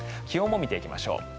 気温も見ていきましょう。